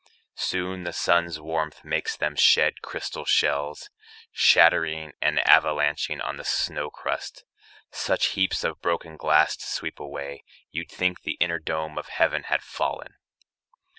Soon the sun's warmth makes them shed crystal shells Shattering and avalanching on the snow crust Such heaps of broken glass to sweep away You'd think the inner dome of heaven had fallen.